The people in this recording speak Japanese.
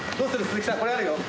鈴木さん。